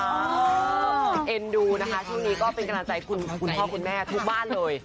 เอ็นดูนะคะช่วงนี้ก็เป็นกำลังใจคุณพ่อคุณแม่ทุกบ้านเลย